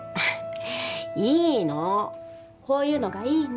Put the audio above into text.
いいのこういうのがいいの